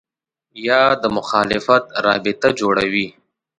یا د مخالفت رابطه جوړوي